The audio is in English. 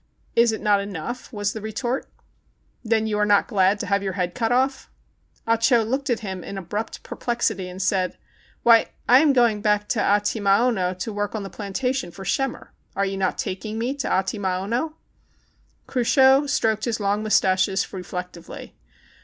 "Is it not enough .''" was the retort. "Then you arc not glad to have your head cut ofF.?" Ah Cho looked at him in abrupt perplexity and said : ã "Why, I am going back to Atimaono to work on the plantation for Schemmer. Are you not taking me to Atimaono.'*" Cruchot stroked his long mustaches reflec tively.